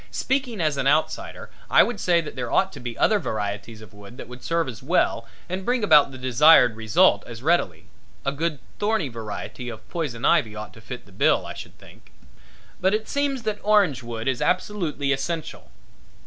Speaking as an outsider I would say that there ought to be other varieties of wood that would serve as well and bring about the desired results as readily a good thorny variety of poison ivy ought to fill the bill, I should think. But it seems that orange wood is absolutely essential.